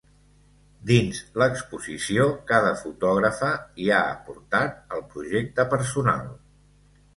Dins l’exposició, cada fotògrafa hi ha aportat el projecte personal.